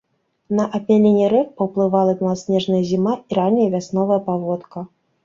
На абмяленне рэк паўплывала маласнежная зіма і ранняя вясновая паводка.